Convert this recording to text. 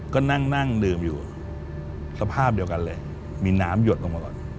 ก็นั่งนั่งดื่มอยู่สภาพเดียวกันเลยมีน้ำหยดลงมาก่อน